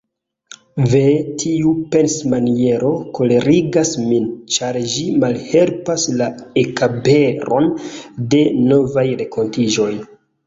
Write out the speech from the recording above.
Ve, tiu pensmaniero kolerigas min, ĉar ĝi malhelpas la ekaperon de novaj renkontiĝoj.